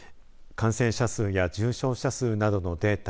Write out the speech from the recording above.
感染者数や重症者数などのデータ